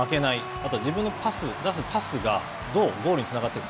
あとは自分のパス、出すパスが、どうゴールにつながっていくか。